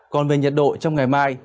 còn về nhiệt độ trong ngày mai